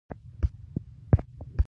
احمد ولي هوتک ډېرې سیالۍ ګټلي.